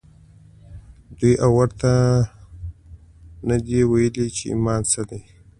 دوی دا ورته نه دي ويلي چې ايمان څه دی.